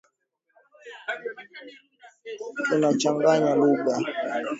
Tunachanganya lugha.